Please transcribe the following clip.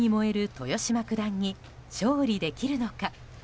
豊島九段に勝利できるのか。